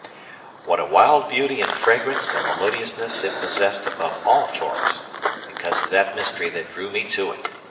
What a wild beauty and fragrance and melodiousness it possessed above all forests, because of that mystery that drew me to it!